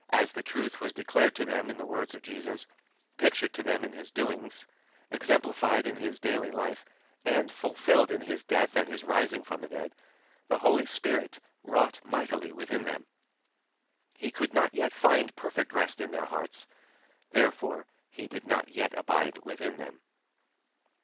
As the truth was declared to them in the words of Jesus, pictured to them in His doings, exemplified in His daily life, and fulfilled in His death and His rising from the dead, the Holy Spirit wrought mightily within them; but He could not yet find perfect rest in their hearts; therefore He did not yet abide within them.